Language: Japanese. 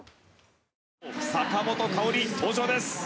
坂本花織、登場です。